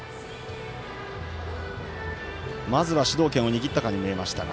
まずは主導権を握ったかに見えましたが。